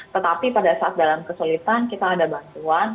tetapi pada saat dalam kesulitan kita ada bantuan